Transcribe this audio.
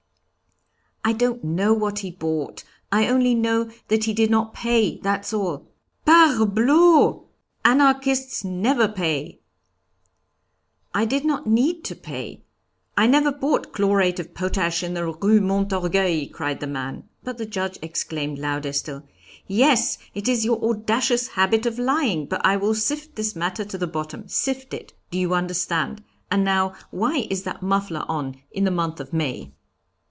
'I don't know what he bought. I only know that he did not pay, that's all.' 'Parbleau! Anarchists never pay ' 'I did not need to pay. I never bought chlorate of potash in the Rue Montorgueil,' cried the man; but the Judge exclaimed, louder still, 'Yes, it is your audacious habit of lying, but I will sift this matter to the bottom; sift it, do you understand. And now why is that muffler on in the month of May?'